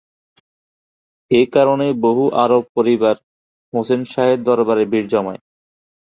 এ কারণে বহু আরব পরিবার হোসেন শাহের দরবারে ভিড় জমায়।